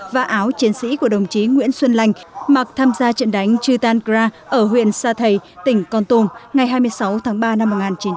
và áo chiến sĩ của đồng chí nguyễn xuân lành mặc tham gia trận đánh chitangra ở huyện sa thầy tỉnh con tôn ngày hai mươi sáu tháng ba năm một nghìn chín trăm sáu mươi tám